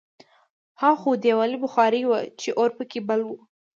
هاخوا دېوالي بخارۍ وه چې اور پکې بل و